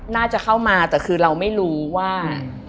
น่าจะเข้ามาแต่คือเราไม่รู้ว่า